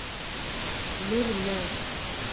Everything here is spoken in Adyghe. Мыр нэ.